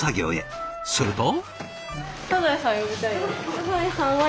すると。